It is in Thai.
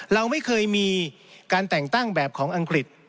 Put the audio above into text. เราไม่เคยมีการแต่งตั้งแบบของอังกฤษ